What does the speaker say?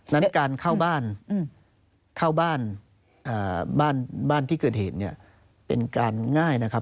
นั้นการเข้าบ้านเข้าบ้านบ้านที่เกิดเหตุเนี่ยเป็นการง่ายนะครับ